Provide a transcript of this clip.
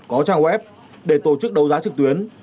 có trang web để tổ chức đấu giá trực tuyến